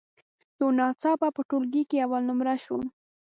یو ناڅاپه په ټولګي کې اول نمره شوم.